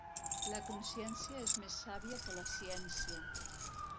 La consciència és més sàvia que la ciència.